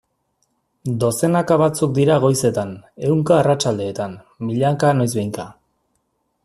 Dozenaka batzuk dira goizetan, ehunka arratsaldetan, milaka noizbehinka...